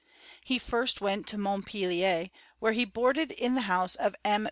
He first went to Montpelier, where he boarded in the house of M.